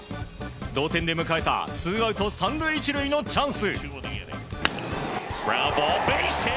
同点で迎えたツーアウト３塁１塁のチャンス。